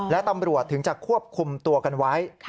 และตำรวจถึงจะควบคุมตัวกันไว้